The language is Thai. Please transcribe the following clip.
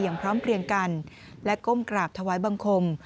พร้อมเพลียงกันและก้มกราบถวายบังคม